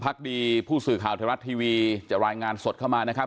พักดีผู้สื่อข่าวไทยรัฐทีวีจะรายงานสดเข้ามานะครับ